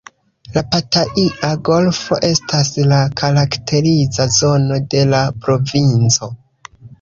La Pataia Golfo estas la karakteriza zono de la provinco.